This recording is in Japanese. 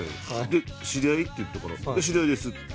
で「知り合い？」って言ったから「知り合いです」って。